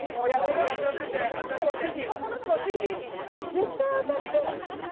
絶対当たって！